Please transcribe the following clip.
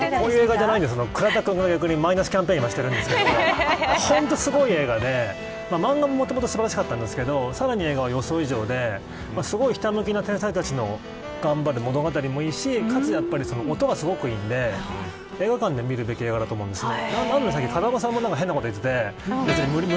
倉田君が今マイナスキャンペーンをしてるんですけど本当すごい映画で漫画も、もともと素晴らしかったんですがさらに映画が予想以上ですごいひたむきな天才たちの頑張る物語もいいしかつ、音がすごくいいので映画館で見るべき映画だと思うんですね。